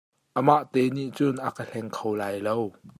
Amah te hna nih cun a ka hleng kho lai lo.